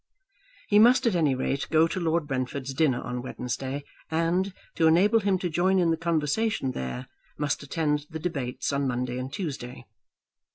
He must at any rate go to Lord Brentford's dinner on Wednesday, and, to enable him to join in the conversation there, must attend the debates on Monday and Tuesday.